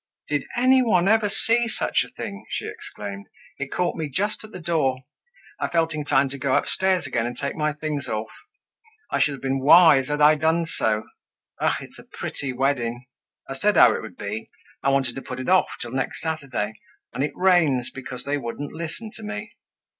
"Did any one ever see such a thing?" she exclaimed. "It caught me just at the door. I felt inclined to go upstairs again and take my things off. I should have been wise had I done so. Ah! it's a pretty wedding! I said how it would be. I wanted to put it off till next Saturday; and it rains because they wouldn't listen to me!